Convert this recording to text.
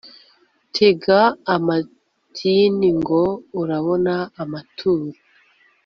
tega amatini ngo urabona amatuba